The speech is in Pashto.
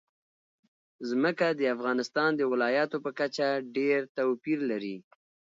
ځمکه د افغانستان د ولایاتو په کچه ډېر توپیر لري.